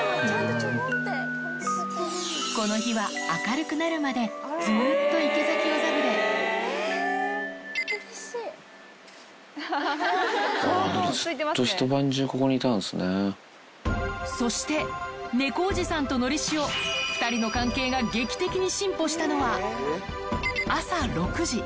この日は明るくなるまで、ずっと一晩中ここにいたんでそして、猫おじさんとのりしお、２人の関係が劇的に進歩したのは朝６時。